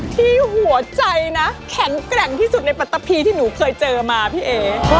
ที่หัวใจนะแข็งแกร่งที่สุดในปัตตะพีที่หนูเคยเจอมาพี่เอ๋